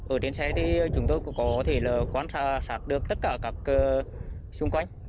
ở trên xe chúng tôi có thể quan sát được tất cả các xung quanh